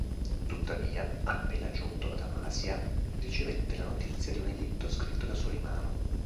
Tuttavia, appena giunto ad Amasya, ricevette la notizia di un editto scritto da Solimano.